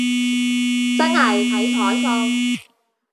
真係睇彩數